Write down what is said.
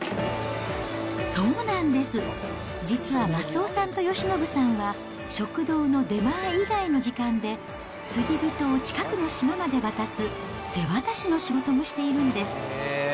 そうなんです、実は益男さんと吉伸さんは、食堂の出前以外の時間で、釣り人を近くの島まで渡す、瀬渡しの仕事もしているんです。